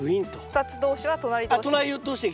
２つ同士は隣同士で。